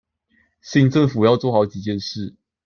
新政府要做好幾件事